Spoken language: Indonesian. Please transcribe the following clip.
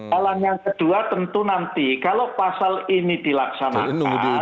polan yang kedua tentu nanti kalau pasal ini dilaksanakan